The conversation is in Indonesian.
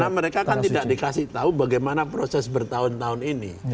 karena mereka kan tidak dikasih tahu bagaimana proses bertahun tahun ini